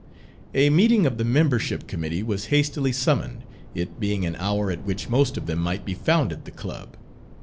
A meeting of the membership committee was hastily summoned, it being an hour at which most of them might be found at the club.